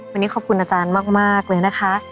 วันนี้ขอบคุณอาจารย์มากเลยนะคะ